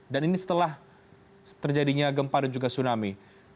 dan ini setelah terjadinya gempa dan juga tsunami